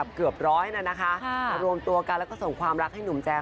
มารวมตัวกันและส่งความรักให้หนุ่มแจม